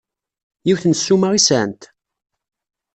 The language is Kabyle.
Yiwet n ssuma i sɛant?